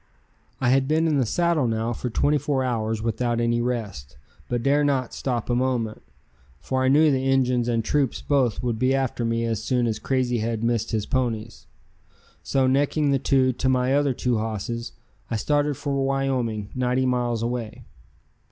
I had been in the saddle now for twenty four hours without any rest, but dare not stop a moment, for I knew the Injuns and troops both would be after me as soon as Crazy Head missed his ponies. So necking the two to my other two hosses I started for Wyoming, ninety miles away.